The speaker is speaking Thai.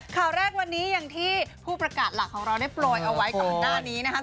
ข่าวแรกวันนี้อย่างที่ผู้ประกาศหลักของเราได้โปรยเอาไว้ก่อนหน้านี้นะครับ